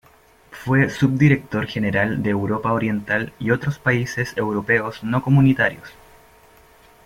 Fue subdirector General de Europa Oriental y otros Países Europeos no Comunitarios.